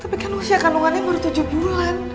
tapi kan usia kandungannya baru tujuh bulan